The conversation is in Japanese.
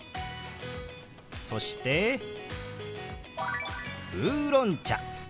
そして「ウーロン茶」。